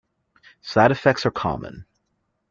Side effects are common.